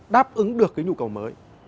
đáp ứng được cái nhu cầu mới